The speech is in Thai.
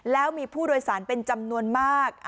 แล้วมีผู้โดยสารเป็นจำนวนมาก